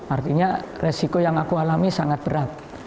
artinya resiko yang aku alami sangat berat